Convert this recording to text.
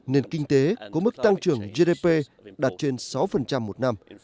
nền kinh tế có mức tăng trưởng gdp đạt trên sáu một năm